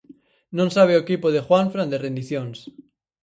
Non sabe o equipo de Juanfran de rendicións.